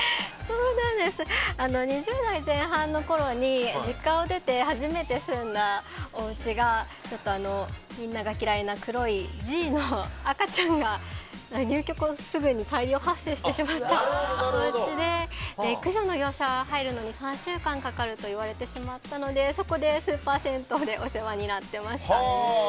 ２０代前半のころに実家を出て初めて住んだおうちがみんなが嫌いな黒いＧの赤ちゃんが入居後すぐに大量発生してしまったおうちで駆除の業者が入るのに３週間かかると言われてしまったのでそこでスーパー銭湯でお世話になってました。